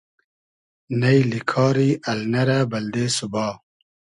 نݷلی کاری النۂ رۂ بئلدې سوبا